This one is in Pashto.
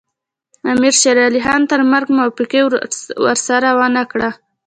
امیر شېر علي خان تر مرګه موافقه ورسره ونه کړه.